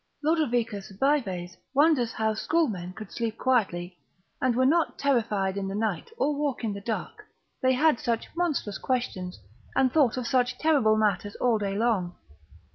Lod. Vives wonders how schoolmen could sleep quietly, and were not terrified in the night, or walk in the dark, they had such monstrous questions, and thought of such terrible matters all day long.